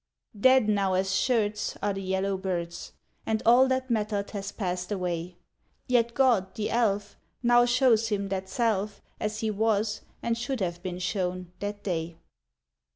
Dead now as sherds Are the yellow birds, And all that mattered has passed away; Yet God, the Elf, Now shows him that self As he was, and should have been shown, that day.